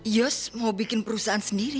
yes mau bikin perusahaan sendiri